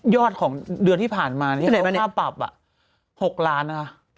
ยอดของเดือนที่ผ่านมาเขาค่าปรับ๖ล้าน